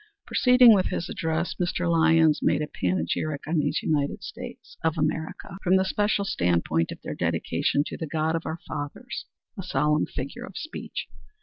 Proceeding, with his address, Mr. Lyons made a panegyric on these United States of America, from the special standpoint of their dedication to the "God of our fathers," a solemn figure of speech.